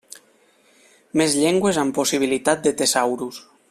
Més llengües amb possibilitat de tesaurus.